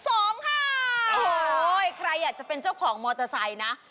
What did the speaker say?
โอ้โหใครอยากจะเป็นเจ้าของมอเตอร์ไซค์นะ